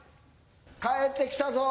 帰ってきたぞ。